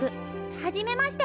はじめまして。